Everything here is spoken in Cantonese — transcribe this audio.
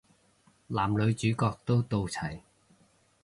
男女主角都到齊